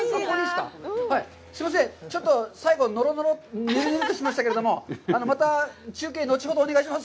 すいません、ちょっと最後、ちょっとぬるぬるっとしましたけども、また中継、後ほどお願いします。